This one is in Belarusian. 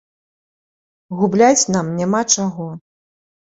Губляць нам няма чаго.